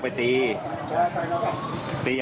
ไม้รูปเสือ